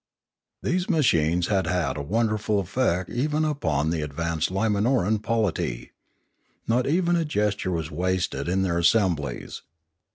These machines had had a wonderful effect even upon the advanced Limanoran polity. Not even a gesture was wasted in their assemblies.